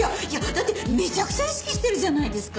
だってめちゃくちゃ意識してるじゃないですか。